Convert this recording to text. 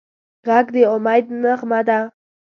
غږ د امید نغمه ده